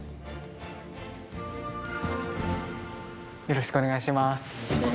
よろしくお願いします。